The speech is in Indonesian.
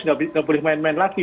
nggak boleh main main lagi